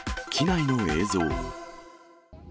機内の映像。